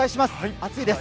暑いです。